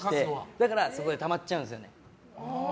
だからたまっちゃうんですよね。